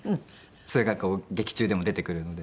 それが劇中でも出てくるので。